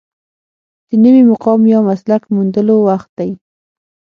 د نوي مقام یا مسلک موندلو وخت دی.